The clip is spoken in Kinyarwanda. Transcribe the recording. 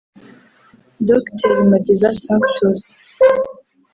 Dogiteri Mageza Sanctus